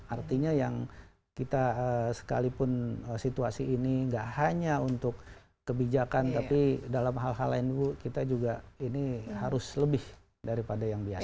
artinya yang kita sekalipun situasi ini nggak hanya untuk kebijakan tapi dalam hal hal lain bu kita juga ini harus lebih daripada yang biasa